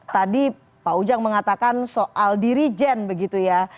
tadi pak ujang mengatakan soal dirijen begitu ya